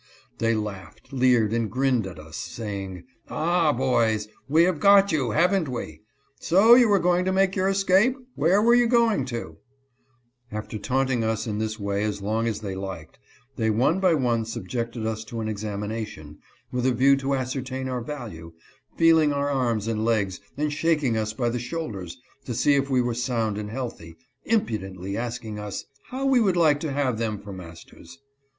They laughed, leered, and grinned at us, saying, " Ah, boys, we have got you, haven't we ? So you were going to make your escape ? Where were you going to ?" After taunting us in this way as long as they liked, they one by one subjected us to an examination, with a view to ascer tain our value, feeling our arms and legs and shaking us by the shoulders, to see if we were sound and healthy, impudently asking us, " how we would like to have them for masters